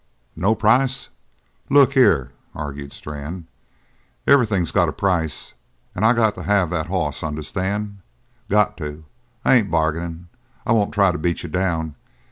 "No price? Look here," argued Strann, "everything's got a price, and I got to have that hoss, understand? Got to! I ain't bargaining. I won't try to beat you down.